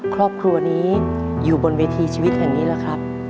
ครอบครัวนี้อยู่บนเวทีชีวิตแห่งนี้แหละครับ